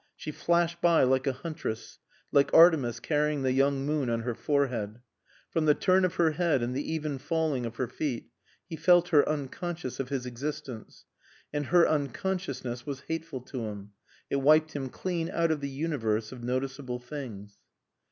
She flashed by like a huntress, like Artemis carrying the young moon on her forehead. From the turn of her head and the even falling of her feet he felt her unconscious of his existence. And her unconsciousness was hateful to him. It wiped him clean out of the universe of noticeable things.